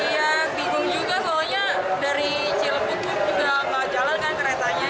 iya bingung juga soalnya dari cilebuk juga gak jalan kan keretanya